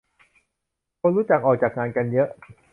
คนรู้จักออกจากงานกันเยอะ